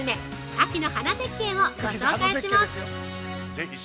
「秋の花絶景」をご紹介します！